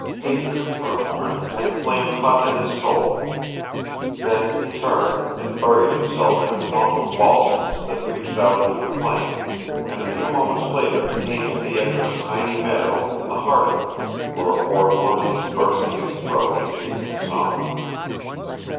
Hatred, for a moment, had flamed hot in his soul. Then he turned, and buried himself in a clump of balsams that reached out into the plain, and a few moments later came to the edge of a tiny meadow in the heart of them, where a warbler was bursting its throat in evening song.